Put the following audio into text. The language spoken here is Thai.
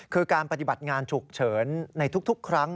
คือการปฏิบัติงานฉุกเฉินในทุกครั้ง